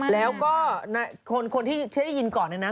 แล้วก็คนที่ได้ยินก่อนเนี่ยนะ